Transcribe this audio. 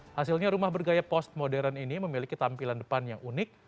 hasilnya rumah bergaya post modern ini memiliki tampilan depan yang unik